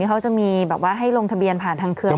เขาจะมีแบบว่าให้ลงทะเบียนผ่านทางเครือ